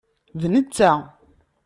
D netta.